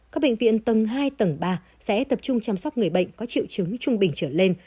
các bệnh viện tầng hai tầng ba sẽ tập trung chăm sóc người bệnh có triệu chứng trung bình trở lên